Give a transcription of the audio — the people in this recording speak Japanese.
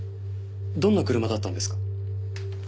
どんな車だったんですか？